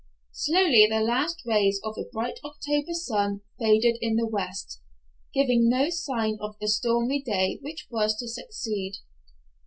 Slowly the last rays of a bright October sun faded in the west, giving no sign of the stormy day which was to succeed.